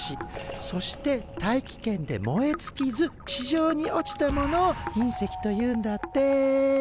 そして大気圏で燃えつきず地上に落ちたものを隕石というんだって！